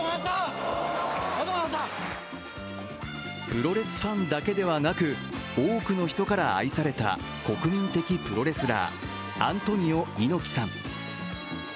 プロレスファンだけではなく多くの人から愛された国民的プロレスラー、アントニオ猪木さん。